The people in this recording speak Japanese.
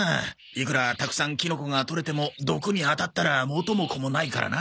いくらたくさんキノコがとれても毒にあたったら元も子もないからな。